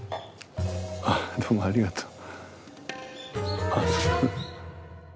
あどうもありがとう。